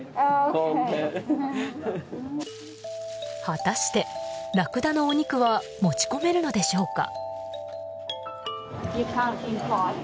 果たして、ラクダのお肉は持ち込めるのでしょうか。